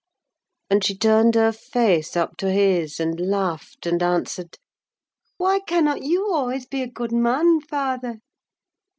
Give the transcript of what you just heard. And she turned her face up to his, and laughed, and answered, "Why cannot you always be a good man, father?"